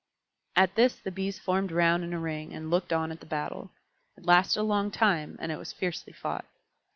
At this the Bees formed round in a ring and looked on at the battle. It lasted a long time, and it was fiercely fought.